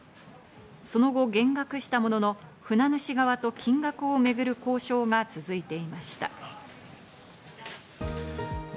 その後、減額したものの、船主側と金額をめぐる交渉が続いていました。